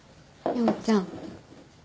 陽ちゃん。